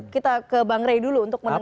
kita ke bang rey dulu untuk menengahin